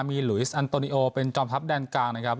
มีหลุยสอันโตนิโอเป็นจอมทัพแดนกลางนะครับ